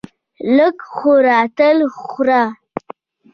لږ خوره تل خوره!